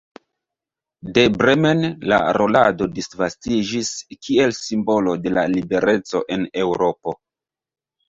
De Bremen la rolando disvastiĝis kiel simbolo de la libereco en Eŭropo.